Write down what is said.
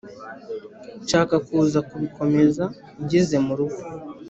nshaka kuza kubikomeza ngeze murugo